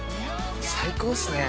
◆最高っすね。